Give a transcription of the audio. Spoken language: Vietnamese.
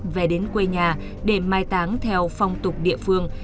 về đến quê nhà để mai táng theo phong tục địa phương